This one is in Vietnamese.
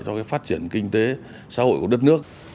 cho cái phát triển kinh tế xã hội của đất nước